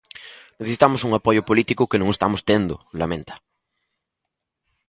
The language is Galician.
Necesitamos un apoio político que non estamos tendo, lamenta.